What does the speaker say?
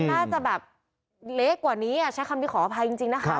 อ๋อมันน่าจะแบบเล็กกว่านี้ใช้คำที่ขออภัยจริงนะคะ